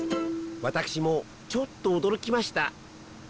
わたくしもちょっとおどろきました。